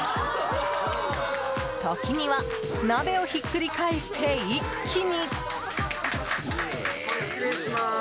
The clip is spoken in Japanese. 時には鍋をひっくり返して一気に！